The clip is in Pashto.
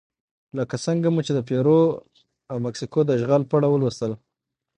لکه څنګه مو چې د پیرو او مکسیکو د اشغال په اړه ولوستل.